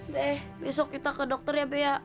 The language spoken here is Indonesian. be besok kita ke dokter ya be ya